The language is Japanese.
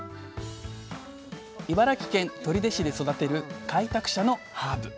茨城県取手市で育てる開拓者のハーブ。